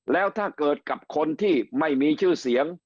แล้วถ้าเกิดกับคนที่ไม่มีชื่อเสียง